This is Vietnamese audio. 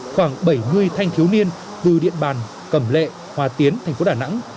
khoảng bảy mươi thanh thiếu niên từ điện bàn cẩm lệ hòa tiến thành phố đà nẵng